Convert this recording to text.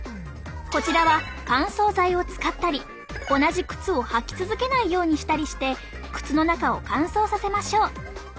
こちらは乾燥剤を使ったり同じ靴を履き続けないようにしたりして靴の中を乾燥させましょう。